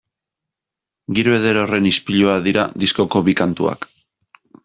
Giro eder horren ispilua dira diskoko bi kantuak.